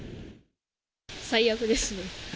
最悪ですね。